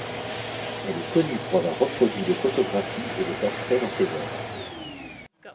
Elle est connue pour avoir reproduit des photographies et des portraits dans ses oeuvres.